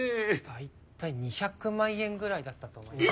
大体２００万円ぐらいだったと思います。